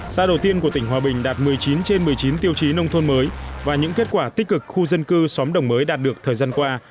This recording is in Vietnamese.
xã đầu tiên của tỉnh hòa bình đạt một mươi chín trên một mươi chín tiêu chí nông thôn mới và những kết quả tích cực khu dân cư xóm đồng mới đạt được thời gian qua